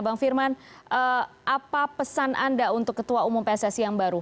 bang firman apa pesan anda untuk ketua umum pssi yang baru